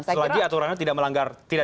selagi aturannya tidak dilanggar gitu ya